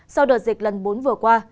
sau đợt dịch lần bốn vừa qua